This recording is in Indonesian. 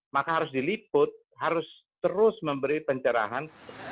maka harus diliput harus terus memberi pencerahan